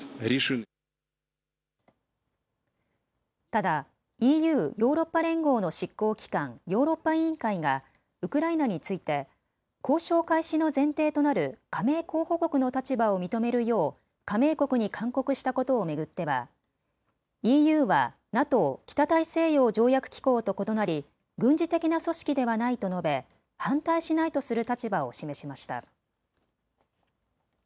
ただＥＵ・ヨーロッパ連合の執行機関、ヨーロッパ委員会がウクライナについて交渉開始の前提となる加盟候補国の立場を認めるよう加盟国に勧告したことを巡ってはＥＵはＮＡＴＯ・北大西洋条約機構と異なり軍事的な組織ではないと述べ反対しないとする立場を示しました。